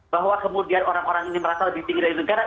bahwa kemudian orang orang ini merasa lebih tinggi dari negara